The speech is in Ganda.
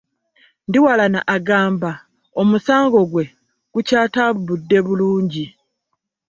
Ndiwalana agamba omusango gwe gukyatambudde bulungi